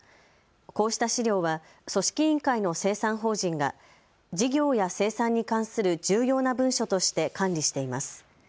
こうした資料は組織委員会の清算法人が事業や清算に関する重要な文書として管理しています。